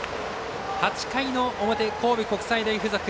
８回の表、神戸国際大付属。